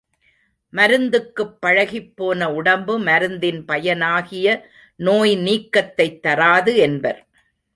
மருந்துக்குப் பழகிப்போன உடம்பு மருந்தின் பயனாகிய நோய் நீக்கத்தைத் தராது என்பர்.